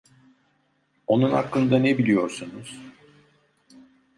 Onun hakkında ne biliyorsunuz?